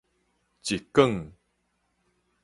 一捲